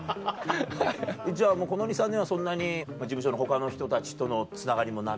じゃあこの２３年はそんなに事務所の他の人たちとのつながりもなく。